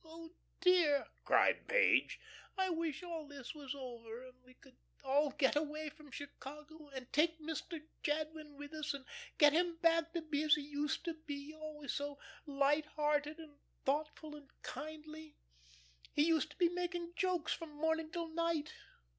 Oh! dear," cried Page, "I wish all this was over, and we could all get away from Chicago, and take Mr. Jadwin with us, and get him back to be as he used to be, always so light hearted, and thoughtful and kindly. He used to be making jokes from morning till night.